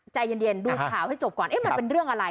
ใจเย็นดูข่าวให้จบก่อนมันเป็นเรื่องอะไร